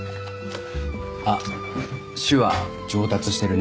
あっ手話上達してるね。